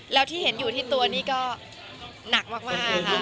แล้วที่เห็นอยู่ที่ตัวนี้ก็หนักมากค่ะ